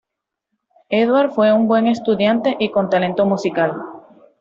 Eduard fue un buen estudiante y con talento musical.